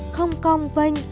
không cong vanh